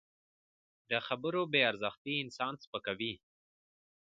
د خبرو بې ارزښتي انسان سپکوي